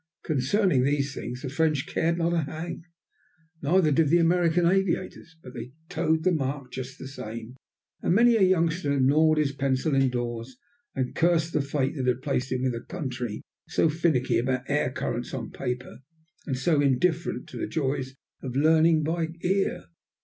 Concerning these things the French cared not a hang. Neither did the American aviators. But they toed the mark just the same, and many a youngster gnawed his pencil indoors and cursed the fate that had placed him with a country so finicky about air currents on paper and so indifferent to the joys of learning by ear.